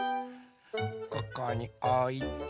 ここにおいて。